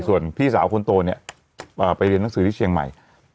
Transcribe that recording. ส่วนพี่สาวคนโตเนี่ยไปเรียนหนังสือที่เชียงใหม่